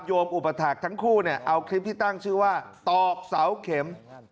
อุปถาคทั้งคู่เนี่ยเอาคลิปที่ตั้งชื่อว่าตอกเสาเข็ม